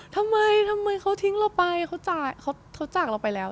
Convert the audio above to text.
ทำไมทำไมเขาทิ้งเราไปเขาจากเราไปแล้ว